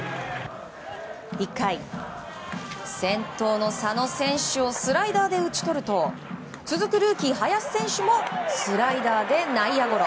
１回、先頭の佐野選手をスライダーで打ち取ると続くルーキー、林選手もスライダーで内野ゴロ。